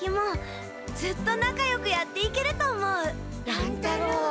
乱太郎。